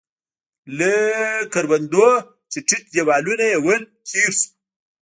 له کروندو نه چې ټیټ دیوالونه يې ول، تېر شوو.